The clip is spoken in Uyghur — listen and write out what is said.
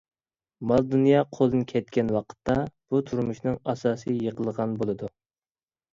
مال-دۇنيا قولدىن كەتكەن ۋاقىتتا، بۇ تۇرمۇشنىڭ ئاساسىي يىقىلغان بولىدۇ.